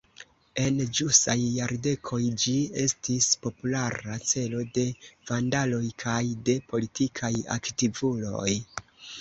En ĵusaj jardekoj ĝi estis populara celo de vandaloj kaj de politikaj aktivuloj.